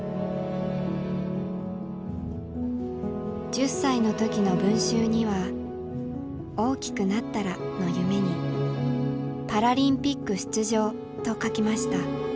１０歳の時の文集には「大きくなったら」の夢にパラリンピック出場と書きました。